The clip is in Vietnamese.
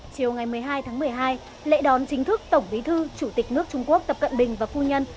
chiều ngày một mươi hai tháng một mươi hai lễ đón chính thức tổng bí thư chủ tịch nước trung quốc tập cận bình và phu nhân